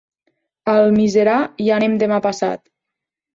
A Almiserà hi anem demà passat.